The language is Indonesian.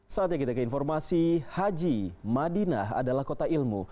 saatnya kita ke informasi haji madinah adalah kota ilmu